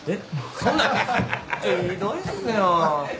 そんなひどいっすよ。